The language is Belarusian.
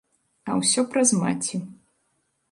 А ўсё праз маці.